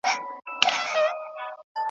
چي ملا كړ ځان تيار د جگړې لور ته ,